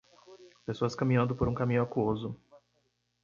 Pessoas caminhando por um caminho aquoso.